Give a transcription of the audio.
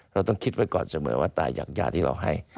เราต้องคิดไว้ก่อนเสมอว่าตายอย่างยาที่เราให้